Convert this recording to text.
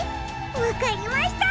わかりました！